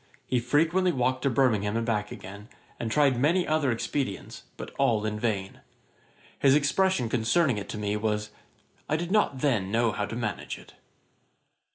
He frequently walked to Birmingham and back again, and tried many other expedients, but all in vain. His expression concerning it to me was 'I did not then know how to manage it.'